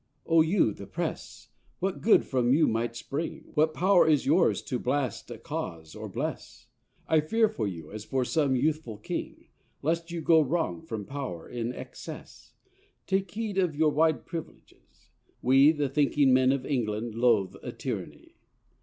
O you, the Press! what good from you might spring! What power is yours to blast a cause or bless! I fear for you, as for some youthful king, Lest you go wrong from power in excess. Take heed of your wide privileges! we The thinking men of England, loathe a tyranny.